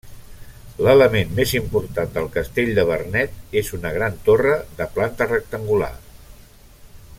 L'element més important del castell de Vernet és una gran torre de planta rectangular.